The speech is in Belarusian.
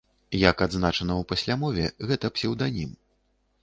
Як адзначана ў паслямове, гэта псеўданім.